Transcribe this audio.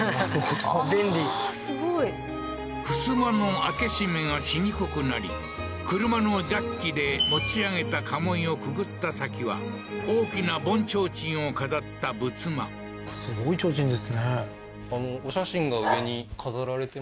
ああーすごいふすまの開け閉めがしにくくなり車のジャッキで持ち上げたかもいをくぐった先は大きな盆ちょうちんを飾ったすごいちょうちんですね